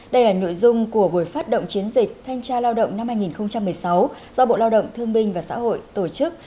đây là nội dung của buổi phát động chiến dịch thanh tra lao động năm hai nghìn một mươi sáu do bộ lao động thương binh và xã hội tổ chức